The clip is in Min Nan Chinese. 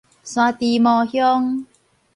山豬毛鄉